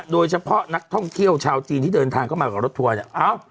โดยเฉพาะนักท่องเที่ยวชาวจีนที่เดินทางเข้ามากับรถทัวร์เนี่ย